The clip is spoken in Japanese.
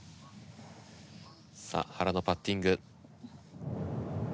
さあ原のパッティング。